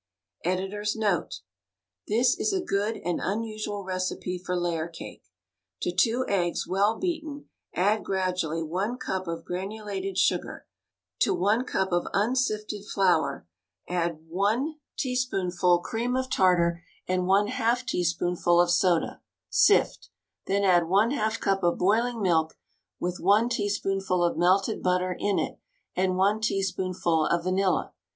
Editor's Note:— This is a good, and unusual, recipe for layer cake. To two eggs, well beaten, add gradually one cup of granulated sugar. To one cup of unsifted flour add one [i8l] THE STAG COOK BOOK teaspoonful cream of tartar and one half teaspoonful of soda. Sift Then add one half cup of boiling milk with one tea spoonful of melted butter in it, and one teaspoonful of vanilla.